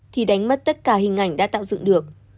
thì đánh mất tất cả hình ảnh đã tạo dựng được